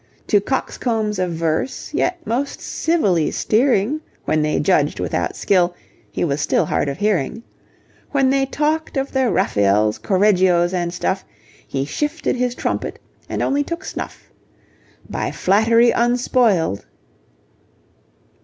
To coxcombs averse, yet most civilly steering When they judged without skill, he was still hard of hearing. When they talked of their Raphaels, Correggios and stuff, He shifted his trumpet and only took snuff. By flattery unspoiled